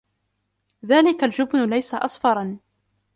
ذلك الجبن ليس أصفرا.